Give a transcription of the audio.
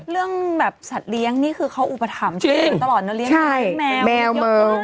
เรื่องแบบสัตว์เลี้ยงนี่คือเขาอุปถัมธ์จริงตลอดเนอะเลี้ยงแมวเยอะมาก